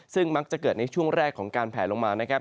ซึ่งมักจะเกิดในช่วงแรกของการแผลลงมานะครับ